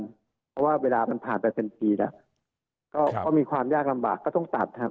เพราะว่าเวลามันผ่านไปเป็นปีแล้วก็มีความยากลำบากก็ต้องตัดครับ